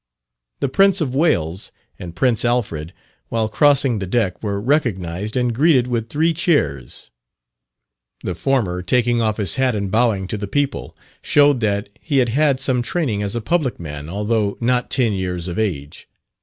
The Prince of Wales, and Prince Alfred, while crossing the deck were recognised and greeted with three cheers; the former taking off his hat and bowing to the people, showed that he had had some training as a public man although not ten years of age.